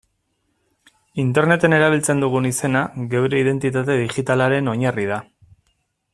Interneten erabiltzen dugun izena geure identitate digitalaren oinarri da.